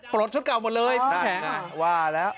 ปลดชุดเก่าหมดเลยได้ค่ะว่าแล้ว